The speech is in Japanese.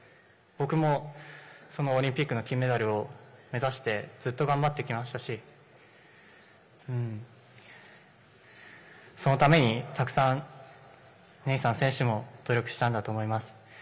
僕もそのオリンピックの金メダルを目指してずっと頑張ってきましたしそのためにたくさんネイサン選手も努力したんだと思います。